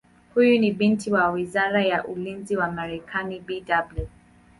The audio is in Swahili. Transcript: Huyu ni binti wa Waziri wa Ulinzi wa Marekani Bw.